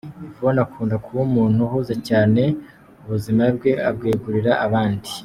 Yvonne akunda kuba umuntu uhuze cyane, ubuzima bwe abwegurira abandi.